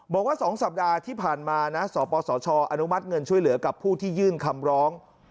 บอกว่า๒สัปดาห์ที่ผ่านมานะสปสชอนุมัติเงินช่วยเหลือกับผู้ที่ยื่นคำร้อง